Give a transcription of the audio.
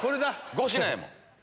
５品やもん。